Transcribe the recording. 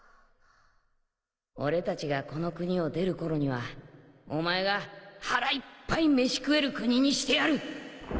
俺たちがこの国を出る頃にはお前が腹いっぱい飯食える国にしてやる！